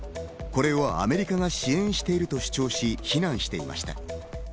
これをアメリカが支援していると主張し、非難していました。